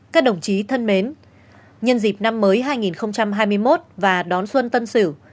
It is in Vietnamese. các đồng chí thân mến nhân dịp năm mới hai nghìn hai mươi một và đón xuân tân sửu